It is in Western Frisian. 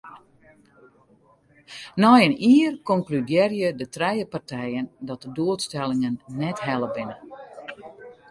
Nei in jier konkludearje de trije partijen dat de doelstellingen net helle binne.